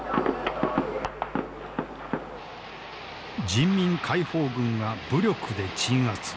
人民解放軍が武力で鎮圧。